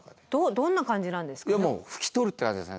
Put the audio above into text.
どんな感じなんですかね？